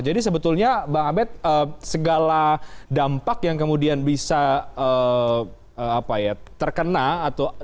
jadi sebetulnya bang abe segala dampak yang kemudian bisa terkena atau